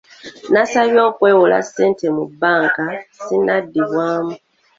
Nasabye okwewola ssente mu bbanka sinnaddibwamu.